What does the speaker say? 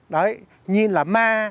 đấy nhìn là ma